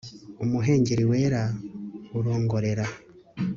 umuhengeri wera urongorera